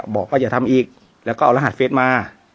บอกว่าอย่าทำอีกแล้วก็เอารหัสเฟสมา